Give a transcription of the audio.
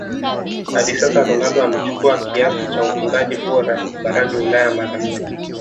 Hadi sasa Ronaldo amechukua kiatu cha ufungaji bora barani ulaya mara nne